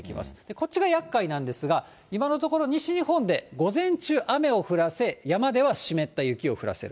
こちらがやっかいなんですが、今のところ、西日本で午前中、雨を降らせ、山では湿った雪を降らせる。